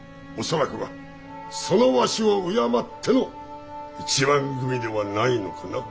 恐らくはそのわしを敬っての一番組ではないのかな？